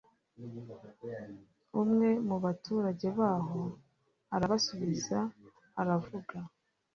Umwe mu baturage baho arabasubiza aravuga